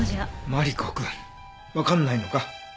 マリコくんわかんないのか？